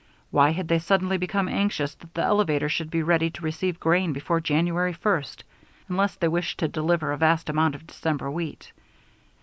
Why had they suddenly become anxious that the elevator should be ready to receive grain before January first, unless they wished to deliver a vast amount of December wheat?